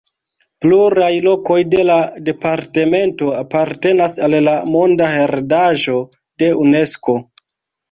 Pluraj lokoj de la departemento apartenas al la monda heredaĵo de Unesko.